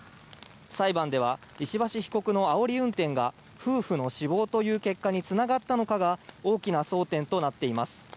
裁判では石橋被告のあおり運転が夫婦の死亡という結果につながったのかが大きな争点となっています。